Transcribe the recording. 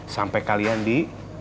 sampai kalian di